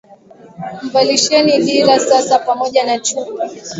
Mvalisheni dira sasa pamoja na chupi!